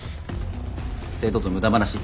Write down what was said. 生徒と無駄話？